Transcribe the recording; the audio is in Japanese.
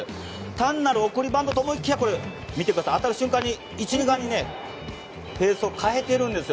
単なる送りバントと思いきや当たる瞬間に１塁側に変えているんですよ。